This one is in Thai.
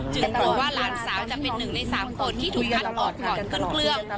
จึงเกลียดว่าหลานสาวจะเป็น๑ใน๓คนที่ถูกพันก่อนเกินเครื่อง